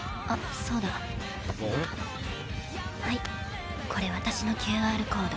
はいこれ私のＱＲコード。